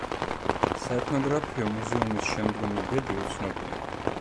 საეთნოგრაფიო მუზეუმის შემდგომი ბედი უცნობია.